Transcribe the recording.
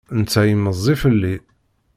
Netta i meẓẓi fell-i.